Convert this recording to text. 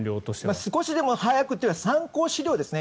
少しでも早くというより参考資料ですね。